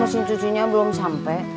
kok mesin cucinya belum sampai